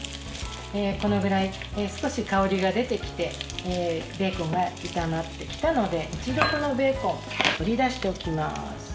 このぐらい少し香りが出てきてベーコンが炒まってきたので一度、ベーコンを取り出しておきます。